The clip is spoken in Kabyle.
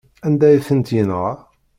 Anda ay tent-yenɣa?